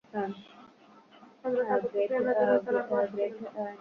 হযরত Abu Sufyan রাযিয়াল্লাহু আনহু আসছিলেন।